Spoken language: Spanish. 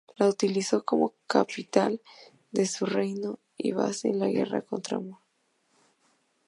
La utilizó como capital de su reino y base en la guerra contra Arnor.